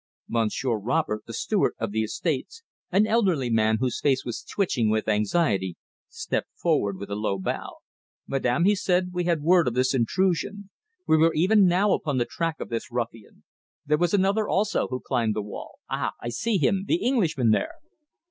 Monsieur Robert, the steward of the estates, an elderly man, whose face was twitching with anxiety, stepped forward with a low bow. "Madame," he said, "we had word of this intrusion. We were even now upon the track of this ruffian. There was another, also, who climbed the wall ah! I see him! The Englishman there!"